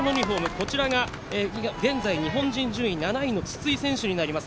こちらが現在、日本人順位７位の筒井選手になります。